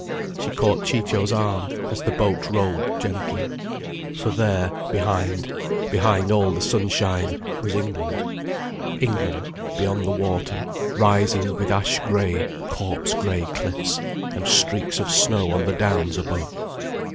She caught Ciccio's arm, as the boat rolled gently. For there behind, behind all the sunshine, was England. England, beyond the water, rising with ash grey, corpse grey cliffs, and streaks of snow on the downs above.